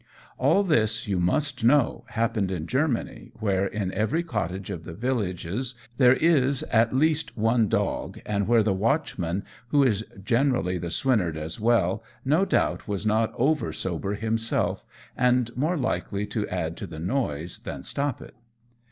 All this, you must know, happened in Germany, where in every cottage of the villages there is, at least, one dog, and where the watchman, who is generally the swineherd as well, no doubt was not over sober himself, and more likely to add to the noise than stop it.